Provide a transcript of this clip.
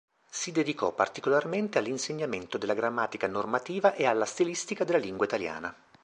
Si dedicò particolarmente all’insegnamento della Grammatica normativa e alla Stilistica della lingua italiana.